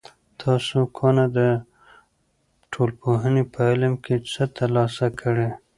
تاسو کونه د ټولنپوهنې په علم کې څه تر لاسه کړي؟